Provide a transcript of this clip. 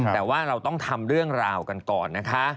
แต่ว่าเราต้องทำเรื่องราวกันก่อนนะคะ